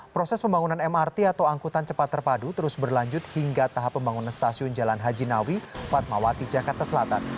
proses pembangunan mrt atau angkutan cepat terpadu terus berlanjut hingga tahap pembangunan stasiun jalan haji nawi fatmawati jakarta selatan